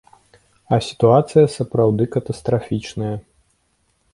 А сітуацыя сапраўды катастрафічная.